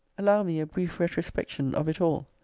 Allow me a brief retrospection of it all.